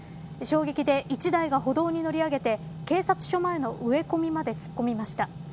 衝撃で１台が歩道に乗り上げて警察署前の植え込みまで突っ込みました。